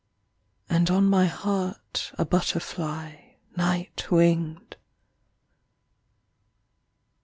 . And on my heart a butterfly Nio ht winff d.